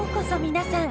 皆さん。